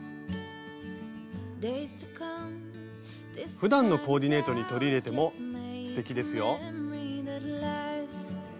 ふだんのコーディネートに取り入れてもすてきですよ。